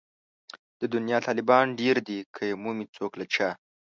د دنيا طالبان ډېر دي که يې مومي څوک له چا